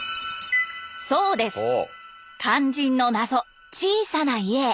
そうです肝心の謎「小さな家」へ。